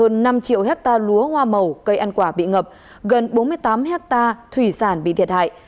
hơn năm triệu hectare lúa hoa màu cây ăn quả bị ngập gần bốn mươi tám hectare thủy sản bị thiệt hại